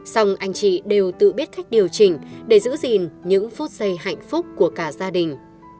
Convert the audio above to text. xong anh chị đều tự biết cách điều chỉnh để giữ gìn những phút giây hạnh phúc của cả gia đình